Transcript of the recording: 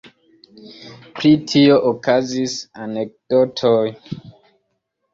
Pri tio okazis anekdotoj.